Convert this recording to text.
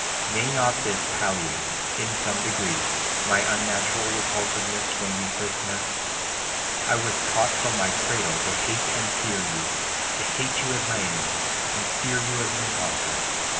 May not this palliate, in some degree, my unnatural repulsiveness when we first met? I was taught from my cradle to hate and fear you,—to hate you as an enemy, and fear you as an impostor.